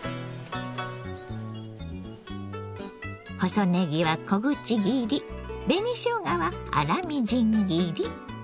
細ねぎは小口切り紅しょうがは粗みじん切り。